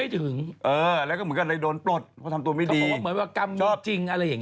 เค้าบอกเหมือนว่ากรรมจริงอะไรอย่างเงี้ย